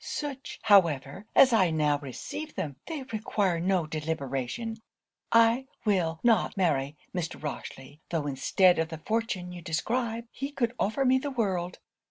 Such, however, as I now receive them, they require no deliberation. I will not marry Mr. Rochely, tho' instead of the fortune you describe, he could offer me the world.